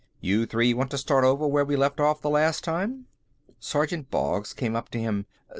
You three want to start over where we left off the last time?" Sergeant Boggs came up to him.